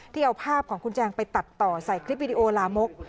เอาภาพของคุณแจงไปตัดต่อใส่คลิปวิดีโอลามก